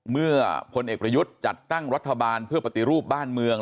พลเอกประยุทธ์จัดตั้งรัฐบาลเพื่อปฏิรูปบ้านเมือง